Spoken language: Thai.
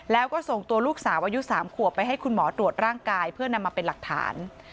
แล้วก็ส่งตัวลูกสาวอายุ๓ขวบไปให้คุณหมอตรวจร่างกายเพื่อนำมาเป็นหลักฐาน